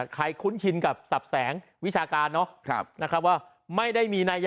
ใครคุ้นชินกับศัพท์แสงวิชาการเนอะ